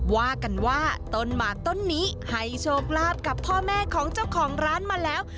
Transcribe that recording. ว่ากันว่าต้นหมากต้นนี้ให้โชคลาภกับพ่อแม่ของเจ้าของร้านมาแล้ว